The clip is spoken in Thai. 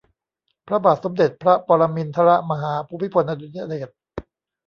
พระบาทสมเด็จพระปรมินทรมหาภูมิพลอดุลยเดช